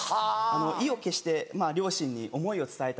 意を決してまぁ両親に思いを伝えたので。